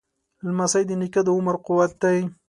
لمسی د نیکه د عمر قوت دی.